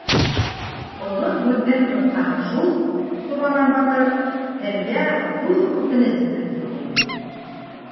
— Оҙон һүҙҙең ҡыҫҡаһы шул, Сураман батыр, һеҙгә ҙур үтенес менән килгәйнем.